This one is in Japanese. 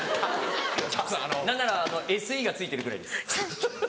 何ならＳＥが付いてるぐらいです。